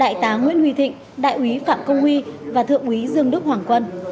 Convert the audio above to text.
công an huy thịnh đại quý phạm công huy và thượng quý dương đức hoàng quân